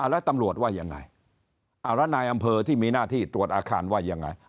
แล้วตำรวจว่ายังไงแล้วนายอำเภอที่มีหน้าที่ตรวจอาคารว่ายังไง